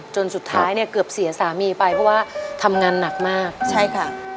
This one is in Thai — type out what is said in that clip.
จนสุดท้ายเนี่ยเกือบเสียสามีไปเพราะว่าทำงานหนักมากใช่ค่ะ